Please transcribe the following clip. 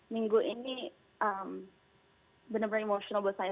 minggu ini benar benar emosional buat saya